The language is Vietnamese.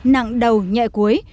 nặng đầu nhẹ cuối